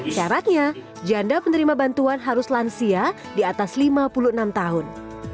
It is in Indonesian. syaratnya janda penerima bantuan harus lansia di atas lima puluh enam tahun